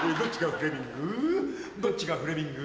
どっちがフレミング？